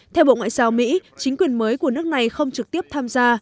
theo bộ ngoại giao mỹ chính quyền mới của nước này không trực tiếp tham gia